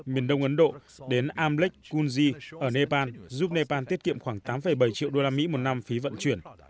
miền đông ấn độ đến amlech kunji ở nepal giúp nepal tiết kiệm khoảng tám bảy triệu usd một năm phí vận chuyển